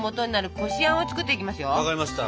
分かりました。